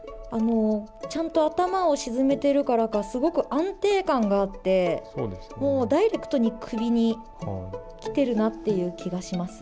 ちゃんと頭を沈めているからかすごく安定感があってダイレクトに首にきてるなっていう気がします。